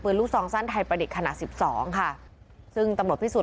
ปืนลูกซองสั้นไทยประเด็นขณะสิบสองค่ะซึ่งตำหนดพิสุด